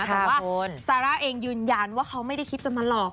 แต่ว่าซาร่าเองยืนยันว่าเขาไม่ได้คิดจะมาหลอก